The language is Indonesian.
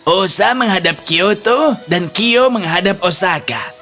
osa menghadap kyoto dan kio menghadap osaka